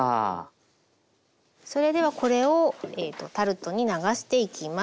それではこれをえっとタルトに流していきます。